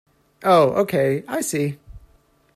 Oh okay, I see.